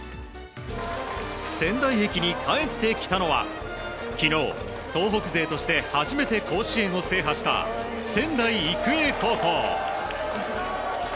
仙台駅に帰ってきたのは昨日、東北勢として初めて甲子園を制覇した仙台育英高校。